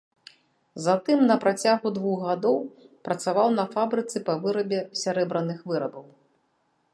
Затым на працягу двух гадоў працаваў на фабрыцы па вырабе сярэбраных вырабаў.